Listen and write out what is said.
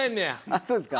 あっそうですか。